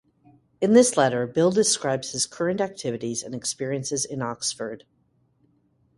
In this letter, Bill describes his current activities and experiences in Oxford.